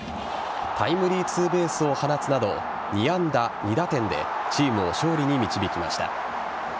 タイムリーツーベースを放つなど２安打２打点でチームを勝利に導きました。